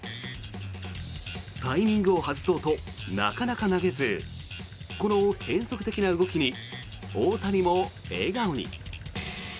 タイミングを外そうとなかなか投げずこの変則的な動きに大谷も笑顔に。